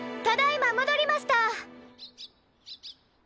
ただいまもどりました！